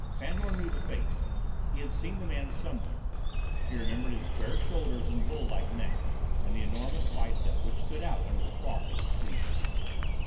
Fandor knew the face; he had seen the man somewhere; he remembered his square shoulders and bull like neck, and the enormous biceps which stood out under the cloth of his sleeves.